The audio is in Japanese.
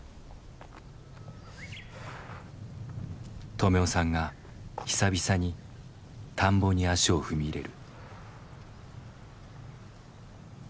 止男さんが久々に田んぼに足を踏み入れる。